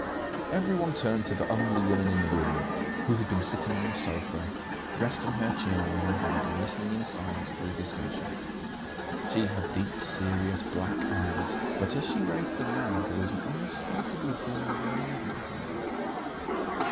Everyone turned to the only woman in the room, who had been sitting on the sofa, resting her chin on one hand and listening in silence to the discussion. She had deep, serious black eyes, but as she raised them now there was an unmistakable gleam of amusement in them.